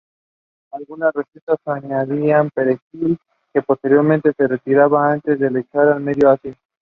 Miner succeeded President Steve Quinlan.